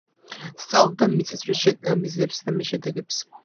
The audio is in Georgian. სწავლობდა მიწისძვრის მიზეზებსა და მის შედეგებს.